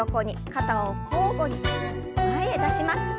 肩を交互に前へ出します。